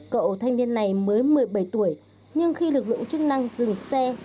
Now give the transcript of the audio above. cậu thanh niên này mới một mươi bảy tuổi nhưng khi lực lượng chức năng dừng xe